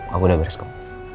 aku udah beres kok